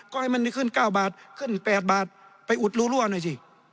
ก็ให้มันได้ขึ้นเก้าบาทขึ้นแปดบาทไปอุดลู่หลั่วหน่อยสิ